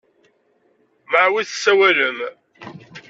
Mɛa wi tessawalem?